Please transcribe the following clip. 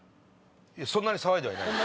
いやそんなに騒いではいない。